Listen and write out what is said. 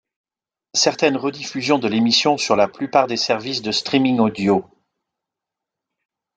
Certaines rediffusions de l'émission sur la plupart des services de streaming audio.